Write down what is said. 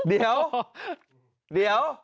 เดี๋ยวเดี๋ยว